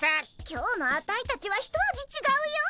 今日のアタイたちは一味ちがうよ！